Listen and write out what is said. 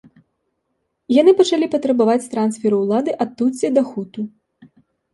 Яны пачалі патрабаваць трансферу ўлады ад тутсі да хуту.